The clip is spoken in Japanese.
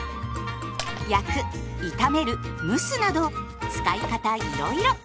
焼く炒める蒸すなど使い方いろいろ。